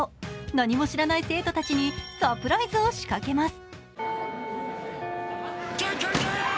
何も知らない生徒たちにサプライズを仕掛けます。